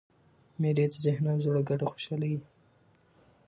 مېلې د ذهن او زړه ګډه خوشحاله يي.